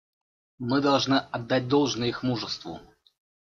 Мы должны отдать должное их мужеству.